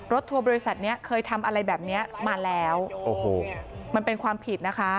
ทัวร์บริษัทเนี้ยเคยทำอะไรแบบเนี้ยมาแล้วโอ้โหมันเป็นความผิดนะคะ